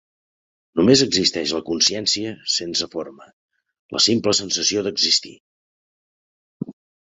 Només existeix la consciència sense forma, "la simple sensació d'existir".